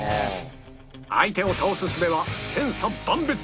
相手を倒すすべは千差万別